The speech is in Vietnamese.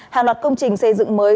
hàng loạt công trình xây dựng mới